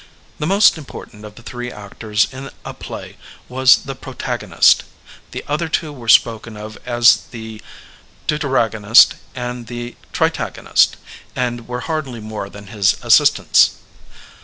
The most im portant of the three actors in a play was the pro tagonist; the other two were spoken of as the deu teragonist and the tritagonist and were hardly more than his assistants.